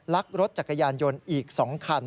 ลักรถจักรยานยนต์อีก๒คัน